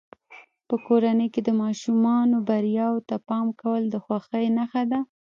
په کورنۍ کې د ماشومانو بریاوو ته پام کول د خوښۍ نښه ده.